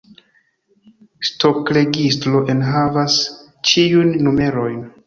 Stokregistro enhavis ĉiujn numerojn.